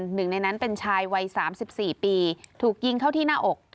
หนึ่งในนั้นเป็นชายวัย๓๔ปีถูกยิงเข้าที่หน้าอก